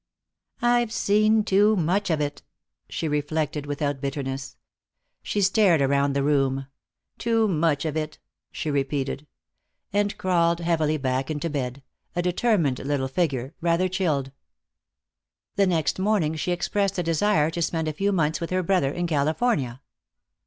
"I've seen too much of it," she reflected, without bitterness. She stared around the room. "Too much of it," she repeated. And crawled heavily back into bed, a determined little figure, rather chilled. The next morning she expressed a desire to spend a few months with her brother in California.